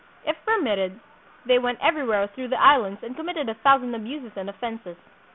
If permitted, they went everywhere through the Islands and committed a thousand abuses and offenses.